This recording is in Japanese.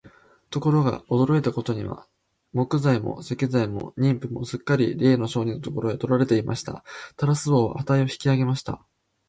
ところが、驚いたことには、材木も石材も人夫もすっかりれいの商人のところへ取られてしまいました。タラス王は価を引き上げました。